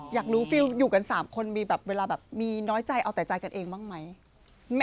อยากรู้ฟิลอยู่กัน๓คนมีแบบเวลาแบบมีน้อยใจเอาแต่ใจกันเองบ้างไหม